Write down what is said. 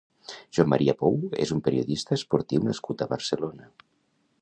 Joan Maria Pou és un periodista esportiu nascut a Barcelona.